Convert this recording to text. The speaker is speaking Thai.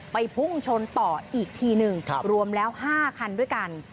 พุ่งชนต่ออีกทีหนึ่งรวมแล้ว๕คันด้วยกัน